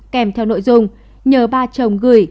kèm theo nội dung nhờ ba chồng gửi